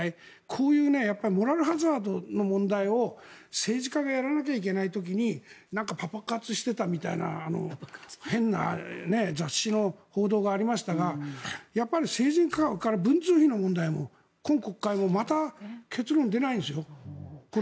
こういうモラルハザードの問題を政治家がやらなければいけない時にパパ活してたみたいな変な雑誌の報道がありましたがあと文通費の問題も今国会もまた結論が出ないんですよ。